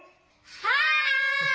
はい！